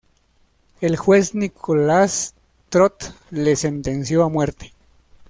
El juez Nicholas Trott le sentenció a muerte.